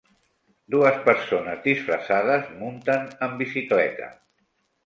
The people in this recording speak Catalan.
Dues persones disfressades munten amb bicicleta.